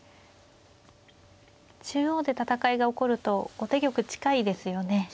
中央で戦いが起こると後手玉近いですよね。